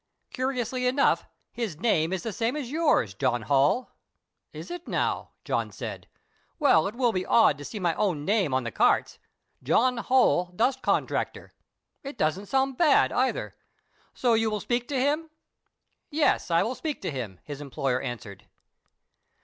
Curiously enough his name is the same as yours, John Holl." "Is it, now?" John said. "Well, it will be odd to see my own name on the carts, 'John Holl, Dust Contractor.' It doesn't sound bad, either. So you will speak to him?" "Yes, I will speak to him," his employer answered.